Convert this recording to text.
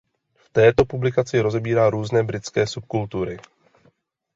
V této publikaci rozebírá různé britské subkultury.